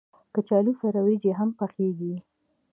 کچالو سره وريجې هم پخېږي